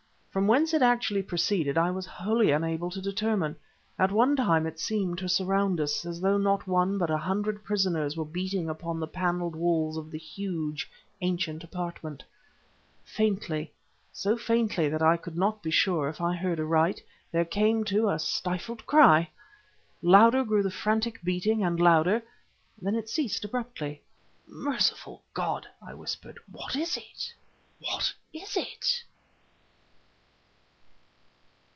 From whence it actually proceeded I was wholly unable to determine. At one time it seemed to surround us, as though not one but a hundred prisoners were beating upon the paneled walls of the huge, ancient apartment. Faintly, so faintly, that I could not be sure if I heard aright, there came, too, a stifled cry. Louder grew the the frantic beating and louder ... then it ceased abruptly. "Merciful God!" I whispered "what was it? What was it?"